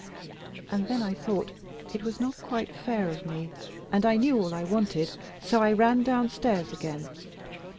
And then I thought it was not quite fair of me, and I knew all I wanted, so I ran downstairs again.